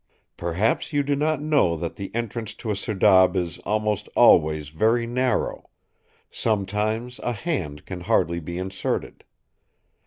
"Perhaps you do not know that the entrance to a serdab is almost always very narrow; sometimes a hand can hardly be inserted.